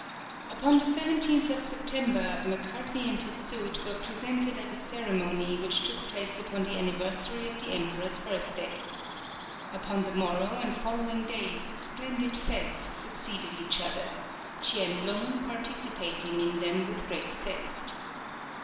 Upon the 17th of September Macartney and his suite were present at a ceremony which took place upon the anniversary of the emperor's birthday. Upon the morrow and following days splendid fêtes succeeded each other, Tchien Lung participating in them with great zest.